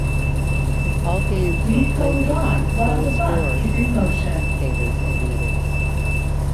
All games were played behind closed doors with no spectators admitted.